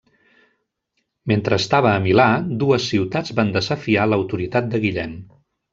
Mentre estava a Milà, dues ciutats van desafiar l'autoritat de Guillem: